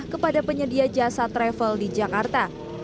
kepada penyedia jasa travel di jakarta